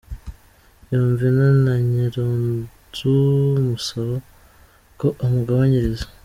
yumvina na nyirinzu amusaba ko amugabanyiriza.